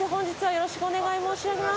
よろしくお願いします